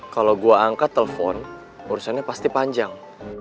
kalo gua angkat telpon urusannya pasti panjang